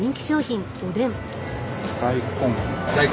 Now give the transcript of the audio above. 大根。